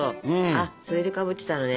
あっそれでかぶってたのね。